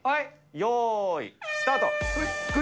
よーいスタート。